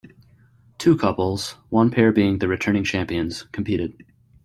Two couples, one pair being the returning champions, competed.